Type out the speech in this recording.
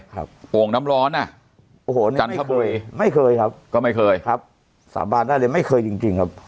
โป่งน้ำร้อนอ่ะโอ้โหนะจันทบุรีไม่เคยครับก็ไม่เคยครับสาบานได้เลยไม่เคยจริงจริงครับ